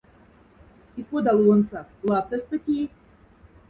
И кода лувондсак — лац эста тиеть?